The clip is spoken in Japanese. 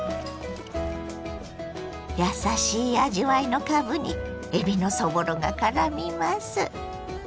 やさしい味わいのかぶにえびのそぼろがからみます。